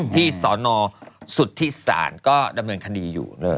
ที่สอนอสุทธิศาลก็ดำเนินคดีอยู่